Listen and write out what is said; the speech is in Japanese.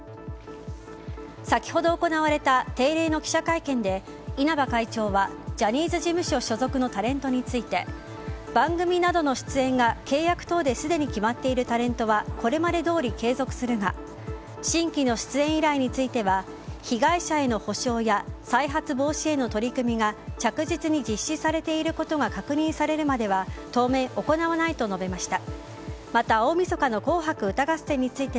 先ほど行われた定例の記者会見で稲葉会長はジャニーズ事務所所属のタレントについて番組などの出演が契約等ですでに決まっているタレントはこれまでどおり継続するが新規の出演依頼については被害者への補償や再発防止への取り組みが着実に実施されていることが確認されるまでは当面行わないと述べました。